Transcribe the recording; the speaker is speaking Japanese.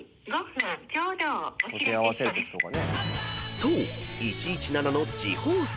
［そう］